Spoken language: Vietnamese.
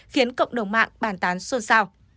khiến cộng đồng mạng bàn tán xôn xao